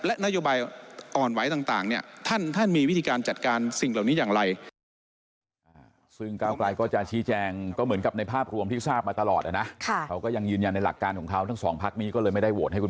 และนโยบายอ่อนไหวต่างเนี่ยท่านมีวิธีการจัดการสิ่งเหล่านี้อย่างไร